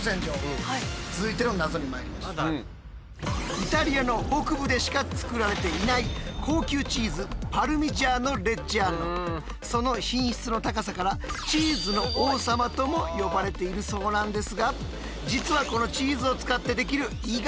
イタリアの北部でしか作られていない高級チーズその品質の高さから「チーズの王様」とも呼ばれているそうなんですが実はこのチーズを使ってできる意外な制度があるんです。